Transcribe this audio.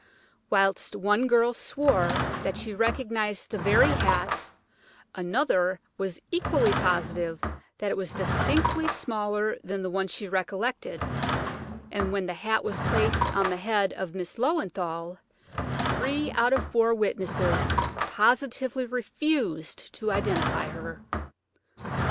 Whilst one girl swore that she recognised the very hat, another was equally positive that it was distinctly smaller than the one she recollected, and when the hat was placed on the head of Miss Löwenthal, three out of the four witnesses positively refused to identify her.